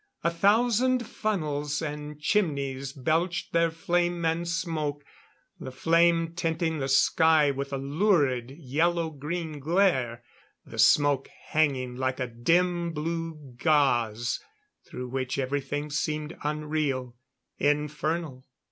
A thousand funnels and chimneys belched their flame and smoke the flame tinting the sky with a lurid yellow green glare, the smoke hanging like a dim blue gauze through which everything seemed unreal, infernal.